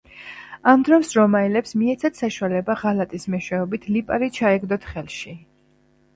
ამ დროს რომაელებს მიეცათ საშუალება ღალატის მეშვეობით ლიპარი ჩაეგდოთ ხელში.